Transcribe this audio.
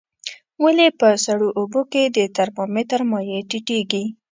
ولې په سړو اوبو کې د ترمامتر مایع ټیټیږي؟